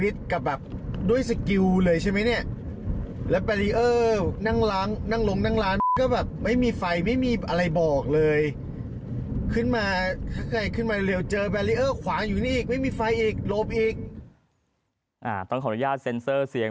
ต้องขออนุญาตเซ็นเซอร์เสียง